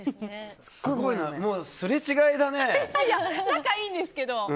仲いいんですけど。